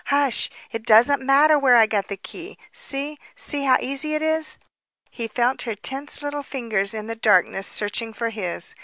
Hush! It doesn't matter where I got the key. See! See how easy it is?" He felt her tense little fingers in the darkness searching for his.